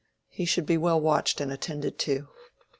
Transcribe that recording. He should be well watched and attended to."